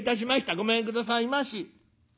ごめんくださいまし。